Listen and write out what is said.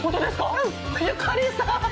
うん。ゆかりさん！